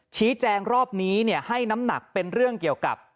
ชี้แจงรอบนี้ให้น้ำหนักเป็นเรื่องเกี่ยวกับ